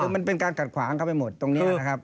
มันเป็นการกัดขวางเข้าไปหมดตรงนี้นะครับ